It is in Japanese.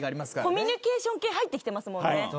コミュニケーション系入ってきてますもん。